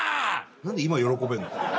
何で今喜べるの？